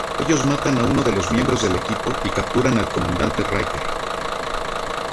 Ellos matan a uno de los miembros del equipo y capturan al comandante Riker.